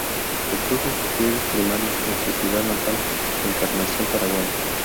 Cursó sus estudios primarios en su ciudad natal de Encarnación, Paraguay.